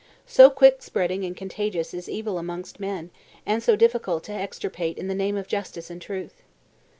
So quick spreading and contagious is evil amongst men, and so difficult to extirpate in the name of justice and truth!